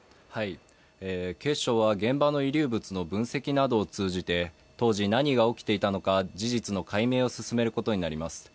警視庁は現場の遺留物の分析などを通じて当時何が起きていたのか事実の解明を進めることになります。